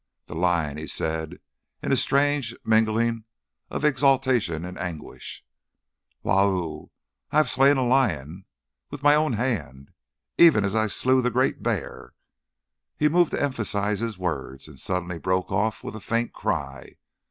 "The lion," he said in a strange mingling of exultation and anguish. "Wau! I have slain a lion. With my own hand. Even as I slew the great bear." He moved to emphasise his words, and suddenly broke off with a faint cry.